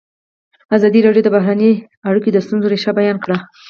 ازادي راډیو د بهرنۍ اړیکې د ستونزو رېښه بیان کړې.